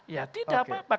ya tidak apa apa